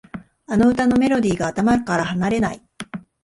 あの歌のメロディーが頭から離れない